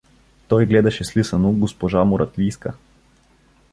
Той гледаше слисано госпожа Муратлийска.